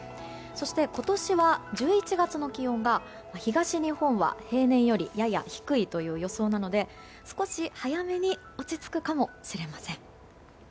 そして、今年は１１月の気温が東日本は平年よりやや低いという予想なので、少し早めに落ち着くかもしれません。